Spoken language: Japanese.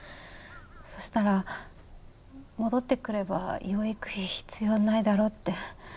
そしたら戻ってくれば養育費必要ないだろって。